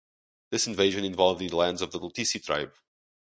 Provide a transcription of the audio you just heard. This invasion involved the lands of the Lutici tribe.